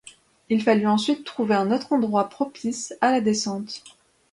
Il fallut ensuite trouver un autre endroit propice à la descente.